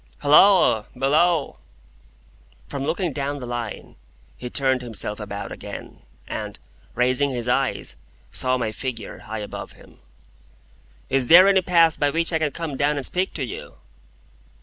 "Halloa! Below!" From looking down the Line, he turned himself about again, and, raising his eyes, saw my figure high above him. "Is there any path by which I can come down and speak to you?"